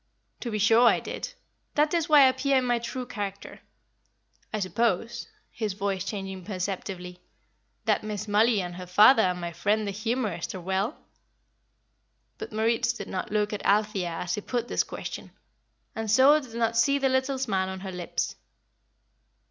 "To be sure I did. That is why I appear in my true character. I suppose" his voice changing perceptibly "that Miss Mollie and her father and my friend the humourist are well?" But Moritz did not look at Althea as he put this question, and so did not see the little smile on her lips.